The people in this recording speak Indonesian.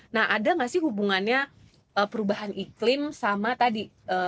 nah ada nggak sih hubungannya perubahan iklim sama tadi